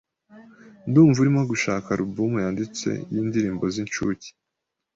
Ndumva urimo gushaka alubumu yanditse yindirimbo zincuke.